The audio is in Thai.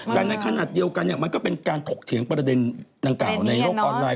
ดังนั้นขนาดเดียวกันเนี่ยมันก็เป็นการถกเถียงประเด็นนางกล่าวในโลกออนไลน์